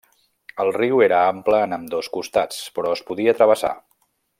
El riu era ample en ambdós costats, però es podia travessar.